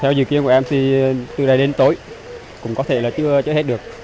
theo dự kiến của em thì từ nay đến tối cũng có thể là chưa hết được